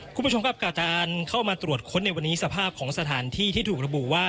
คุณผู้ชมครับกาศอันเข้ามาตรวจค้นในวันนี้สภาพของสถานที่ที่ถูกระบุว่า